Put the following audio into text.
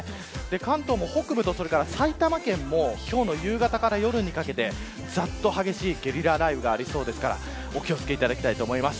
関東も北部と、埼玉県も今日の夕方から夜にかけてざっと激しいゲリラ雷雨がありそうですから、お気を付けいただきたいと思います。